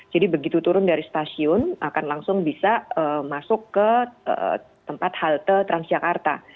jadi begitu turun dari stasiun akan langsung bisa masuk ke tempat halte transjakarta